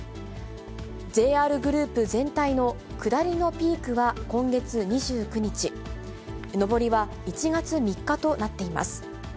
ＪＲグループ全体の下りのピークは今月２９日、上りは１月３日となっています。